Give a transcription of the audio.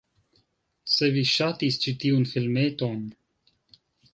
Se vi ŝatis ĉi tiun filmeton